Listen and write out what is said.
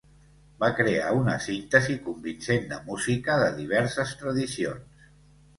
Va crear una síntesi convincent de música de diverses tradicions.